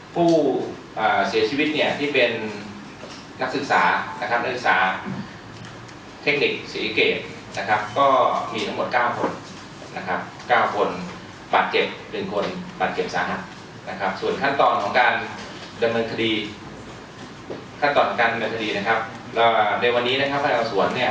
ผู้เสียชีวิตที่เป็นลักษึนศาเทคนิคเสียเกตก็มีทั้งหมด๙คน